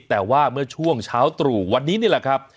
แต่ว่าเมื่อช่วงเช้าตรู่วันนี้นี่แหละครับ